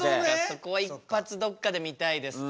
そこは一発どこかで見たいですか。